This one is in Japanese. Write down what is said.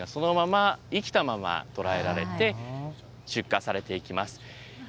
生きのいいカニがそのまま生きたまま捕らえられて、出荷されていきます。